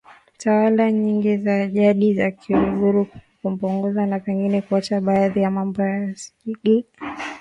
tawala nyingi za Jadi za kiluguru kupunguza na pengine kuacha baadhi ya mambo yanayosigana